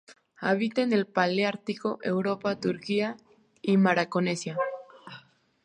Habita en el paleártico: Europa, Turquía y Macaronesia.